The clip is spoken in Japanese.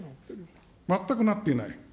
全くなっていない。